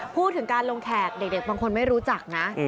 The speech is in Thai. พูดถึงการลงแขกเด็กบางคนไม่รู้จักนะ